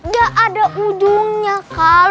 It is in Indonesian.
gak ada ujungnya kal